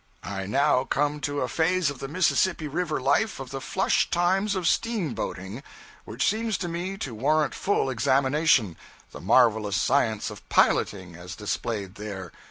I now come to a phase of the Mississippi River life of the flush times of steamboating, which seems to me to warrant full examination the marvelous science of piloting, as displayed there.